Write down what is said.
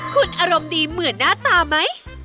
คุณอารมณ์ดีเหมือนหน้าตาไหม